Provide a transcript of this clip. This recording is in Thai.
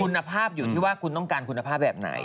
คุณภาพอยู่ที่ว่าคุณต้องการคุณภาพแบบไหน